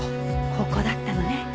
ここだったのね